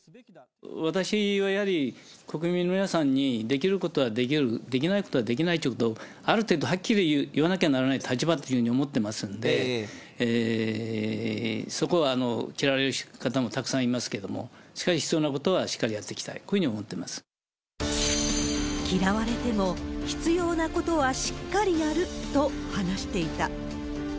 私はやはり、国民の皆さんにできることはできる、できないことはできないということを、ある程度はっきり言わなきゃならない立場というふうに思ってますので、そこは嫌われる方もたくさんいますけれども、しかし、必要なことはしっかりやっていきたい、嫌われても、必要なことはしっかりやると話していた。